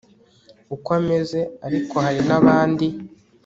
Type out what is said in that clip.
uko ameze ariko hari nabandi